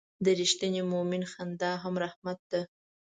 د رښتیني مؤمن خندا هم رحمت ده.